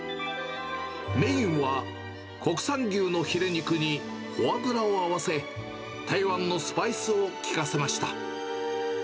メインは国産牛のフィレ肉に、フォアグラを合わせ、台湾のスパイスを効かせました。